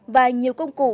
và nhiều công cụ